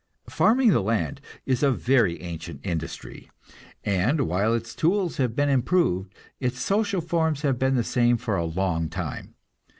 Farming the land is a very ancient industry, and while its tools have been improved, its social forms have been the same for a long time.